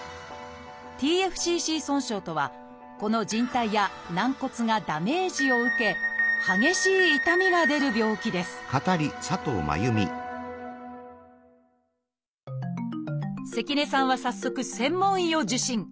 「ＴＦＣＣ損傷」とはこの靭帯や軟骨がダメージを受け激しい痛みが出る病気です関根さんは早速専門医を受診。